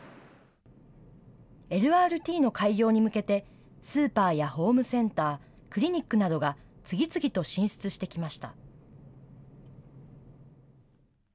ＬＲＴの開業に向けてスーパーやホームセンター、クリニックなどが次々と進出してきました。